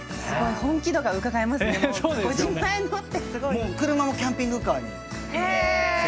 もう車もキャンピングカーにして。